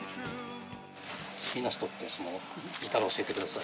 好きな人って、いたら教えてください。